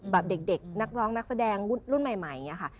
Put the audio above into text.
แบบเด็กนักร้องนักแสดงรุ่นใหม่อย่างนี้ค่ะ